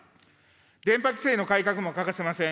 電波規制の改革も欠かせません。